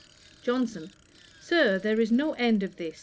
JOHNSON. 'Sir, there is no end of this.